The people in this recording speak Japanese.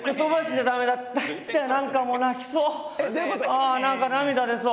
ああ何か涙出そう。